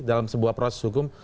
dalam sebuah proses hukum